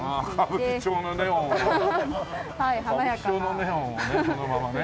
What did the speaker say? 歌舞伎町のネオンをねそのままね。